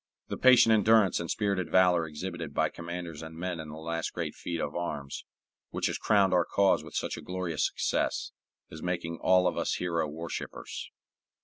The patient endurance and spirited valor exhibited by commanders and men in the last great feat of arms, which has crowned our cause with such a glorious success, is making all of us hero worshipers.